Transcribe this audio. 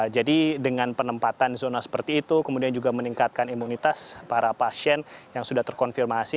jadi dengan penempatan zona seperti itu kemudian juga meningkatkan imunitas para pasien yang sudah terkonfirmasi